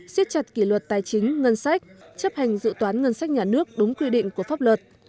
xiết chặt kỷ luật tài chính ngân sách chấp hành dự toán ngân sách nhà nước đúng quy định của pháp luật